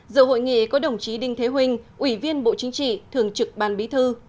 dự hội nghị có đồng chí đinh thế hùng ủy viên bộ chính trị thường trực ban bí thư